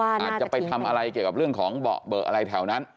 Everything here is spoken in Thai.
อาจจะไปทำอะไรเกี่ยวกับเรื่องของเบาะเบอร์อะไรแถวนั้น